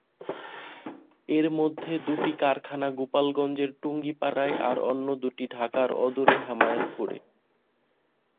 এর মধ্যে দুটি কারখানা গোপালগঞ্জের টুঙ্গিপাড়ায় আর অন্য দুটি ঢাকার অদূরে হেমায়েতপুরে।